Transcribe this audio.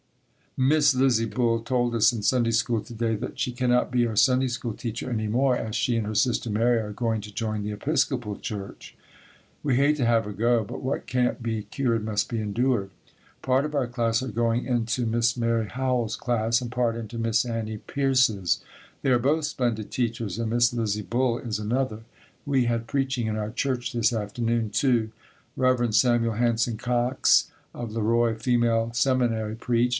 Miss Lizzie Bull told us in Sunday School to day that she cannot be our Sunday School teacher any more, as she and her sister Mary are going to join the Episcopal Church. We hate to have her go, but what can't be cured must be endured. Part of our class are going into Miss Mary Howell's class and part into Miss Annie Pierce's. They are both splendid teachers and Miss Lizzie Bull is another. We had preaching in our church this afternoon, too. Rev. Samuel Hanson Cox, of Le Roy Female Seminary, preached.